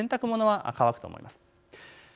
洗濯物は乾くと思います。